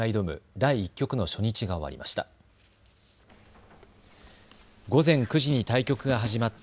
第１局の初日が終わりました。